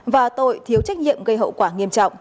và tội thiếu trị